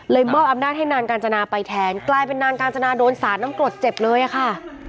ลายเป็นนานกาญจนาโดนสารน้ำกรดเจ็บเลยค่ะ